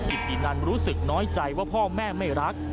กินอีนันรู้สึกน้อยใจว่าพ่อแม่ไม่รัก